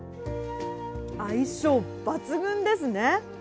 相性抜群ですね。